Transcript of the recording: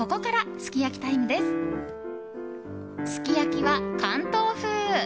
すき焼きは、関東風。